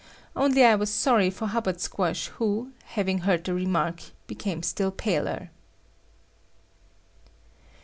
Only I was sorry for Hubbard Squash who, having heard the remark, became still paler.